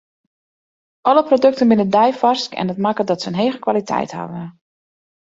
Alle produkten binne deifarsk en dat makket dat se in hege kwaliteit hawwe.